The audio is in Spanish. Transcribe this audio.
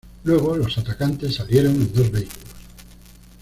Luego, los atacantes salieron en dos vehículos.